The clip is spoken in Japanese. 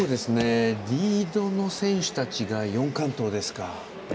リードの選手たちが４完登ですか。